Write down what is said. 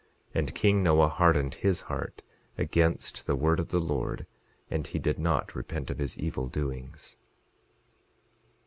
And king Noah hardened his heart against the word of the Lord, and he did not repent of his evil doings.